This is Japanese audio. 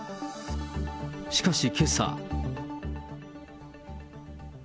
しかしけさ。